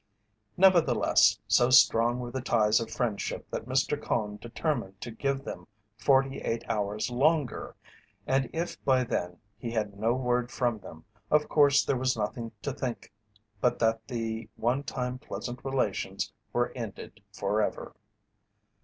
Nevertheless, so strong were the ties of friendship that Mr. Cone determined to give them forty eight hours longer, and if by then he had no word from them, of course there was nothing to think but that the one time pleasant relations were ended forever.